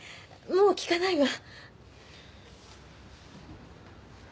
もう聞かないわ。